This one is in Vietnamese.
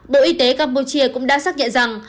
bộ y tế campuchia cũng đã xác nhận rằng